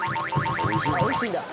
「おいしいんだ」